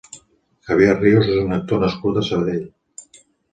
Javier Ríos és un actor nascut a Sabadell.